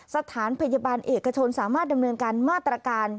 สถานพยาบาลเอกชนสามารถดำเนินการมาตรการ